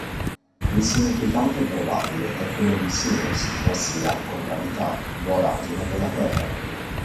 Il significato probabile è quello di "sinus", ossia concavità, voragine della terra.